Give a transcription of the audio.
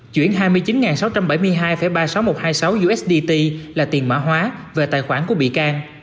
chuyển hai mươi chín sáu trăm bảy mươi hai ba mươi sáu nghìn một trăm hai mươi sáu usd là tiền mã hóa về tài khoản của bị can